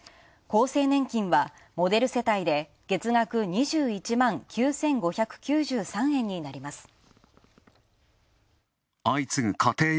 厚生年金は、モデル世帯で月額２１万９５９３円になります。